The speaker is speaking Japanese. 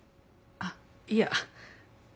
あっいや。